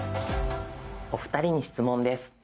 お二人に質問です。